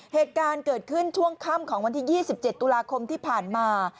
เหตุการณ์เกิดขึ้นช่วงค่ำของวันที่๒๗ตุลาคมที่ผ่านมา